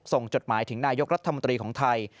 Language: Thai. จดหมายถึงนายกรัฐมนตรีของไทย